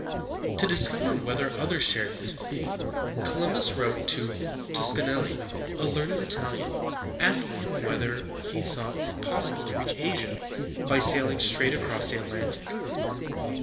To discover whether others shared this belief, Columbus wrote to Tos ca nel´li, a learned Italian, asking him whether he thought it possible to reach Asia by sailing straight across the Atlantic.